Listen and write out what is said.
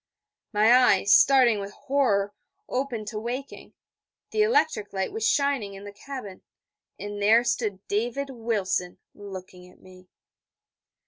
_' My eyes, starting with horror, opened to waking; the electric light was shining in the cabin; and there stood David Wilson looking at me.